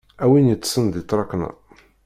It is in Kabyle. A win yeṭṭsen di tṛakna.